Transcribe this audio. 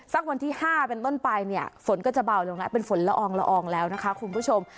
สักวันที่๕เป็นต้นไปฝนก็จะเบาลงแล้วเป็นฝนละอองแล้วนะคะคุณผู้ชม